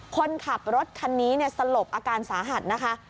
คนขับรถคันนี้สลบอาการสาหัสนะคะ